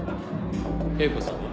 英子さんは？